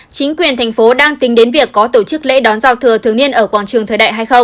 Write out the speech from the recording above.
chính quyền thành phố đang tính đến việc có tổ chức lễ đón giao thừa thường niên ở quốc gia